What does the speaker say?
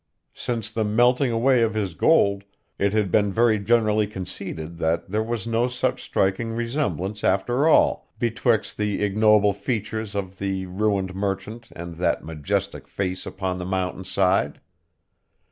Since the melting away of his gold, it had been very generally conceded that there was no such striking resemblance, after all, betwixt the ignoble features of the ruined merchant and that majestic face upon the mountainside.